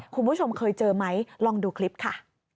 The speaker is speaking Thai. คุณผู้ชมเคยเจอไหมลองดูคลิปค่ะ